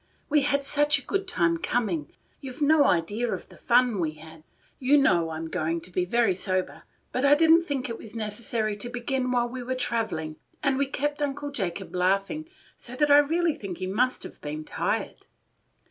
We had such a good time coming! you 've no idea of the fun we had. You know I am going to be very sober, but I did n't think it was necessary to begin while we were travelling, and we kept Uncle Jacob laughing so that I really think he must have been tired.